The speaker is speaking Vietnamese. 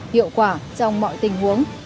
hiệu quả trong mọi tình huống